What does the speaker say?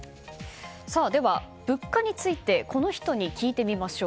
では、物価についてこの人に聞いてみましょう。